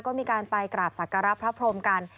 ก็มีการไปกราบศักระพระพรมกัน